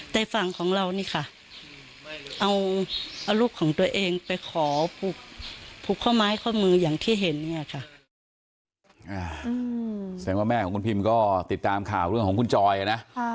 แสดงว่าแม่ของคุณพิมก็ติดตามข่าวเรื่องของคุณจอยนะ